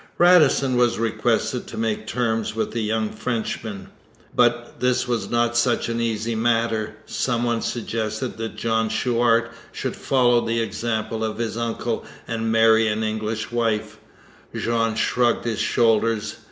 Radisson was requested to make terms with the young Frenchman, but this was not such an easy matter. Some one suggested that Jean Chouart should follow the example of his uncle and marry an English wife. Jean shrugged his shoulders.